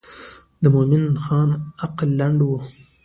د مومن خان عقل لنډ و.